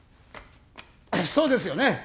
そうですよね。